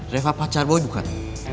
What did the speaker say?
reva pacar boy bukan